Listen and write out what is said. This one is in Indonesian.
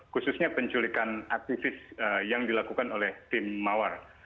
khususnya penculikan aktivis yang dilakukan oleh tim mawar